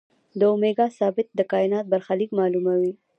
د اومېګا ثابت د کائنات برخلیک معلوموي.